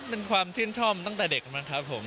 เป็นความชื่นชอบตั้งแต่เด็กมั้งครับผม